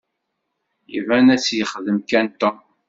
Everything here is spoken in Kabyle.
Iban ad tt-yexdem kan Tom.